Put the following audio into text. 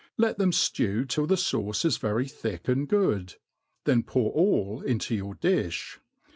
Let them ftew till the fauce is very thick and good ; then pour all into your difh.